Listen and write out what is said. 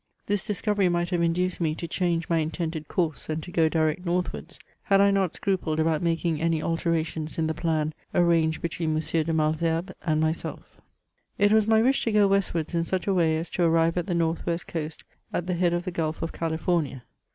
This discovery might have induced me to change my intended course, and to go direct northwards, had I not scsnpled about making any alterations in the plan arranged between M. de Malesherbes and myself. It was my wish to go westwards in such a way as to arrive at the North west coast at the head of the Gulf of California.